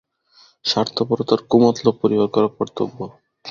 স্বার্থপরতার কু-মতলব পরিহার করা কর্তব্য।